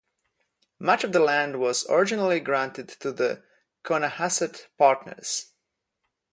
Much of the land was originally granted to the "Conahasset Partners".